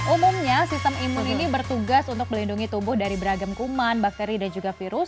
umumnya sistem imun ini bertugas untuk melindungi tubuh dari beragam kuman bakteri dan juga virus